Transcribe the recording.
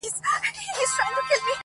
اوس مي لا په هر رگ كي خـوره نـــه ده.